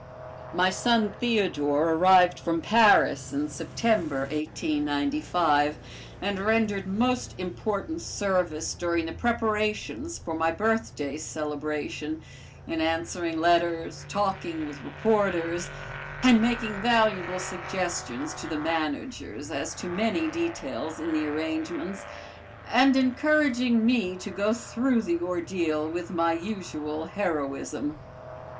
My son Theodore arrived from Paris in September, 1895, and rendered most important service during the preparations for my birthday celebration, in answering letters, talking with reporters, and making valuable suggestions to the managers as to many details in the arrangements, and encouraging me to go through the ordeal with my usual heroism.